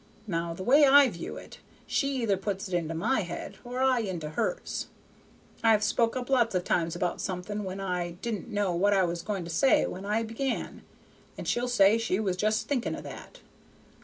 Now the way I view it, she either puts it into my head or I into hers. I've spoke up lots of times about something, when I didn't know what I was going to say when I began, and she'll say she was just thinking of that.